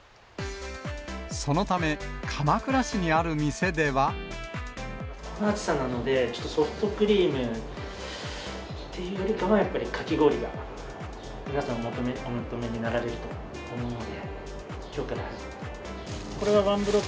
そのため、この暑さなので、ソフトクリームっていうよりかは、やっぱりかき氷が皆さんお求めになられると思うので、きょうから始めます。